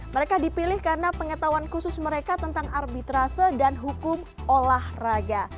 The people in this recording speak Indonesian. mereka dipilih karena pengetahuan khusus mereka tentang arbitrase dan hukum olahraga